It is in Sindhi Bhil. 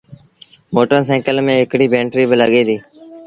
موٽر سآئيٚڪل ميݩ هڪڙيٚ بئيٽريٚ با لڳي ديٚ۔